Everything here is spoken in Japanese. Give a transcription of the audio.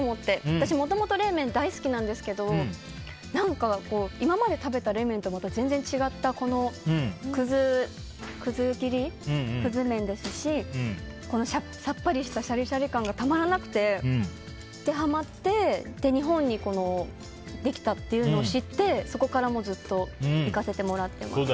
私、もともと冷麺大好きなんですけど今まで食べた冷麺とまた全然違った葛麺ですしさっぱりしたシャリシャリ感がたまらなくてはまって、日本にできたっていうのを知ってそこからずっと行かせてもらってます。